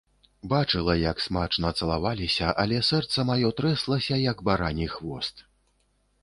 Бачыла, як смачна цалаваліся, але сэрца маё трэслася, як барані хвост.